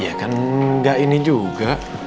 iya kan gak ini juga